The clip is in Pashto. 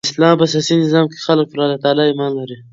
د اسلام په سیاسي نظام کښي خلک پر الله تعالي ایمان لري.